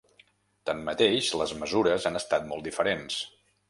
Tanmateix, les mesures han estat molt diferents.